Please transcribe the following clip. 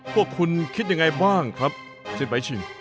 พวกคุณคิดยังไงบ้างครับสินไปชิง